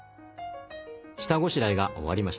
下ごしらえが終わりました。